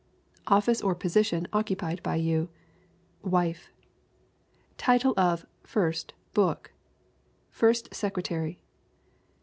Office or position occupied by you: Wife. Title of (first) book: First Secretary.